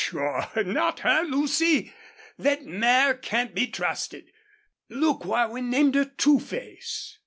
"Sure not her, Lucy. Thet mare can't be trusted. Look why we named her Two Face."